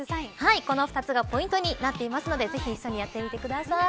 この２つがポイントになっていますのでぜひ一緒にやってみてください。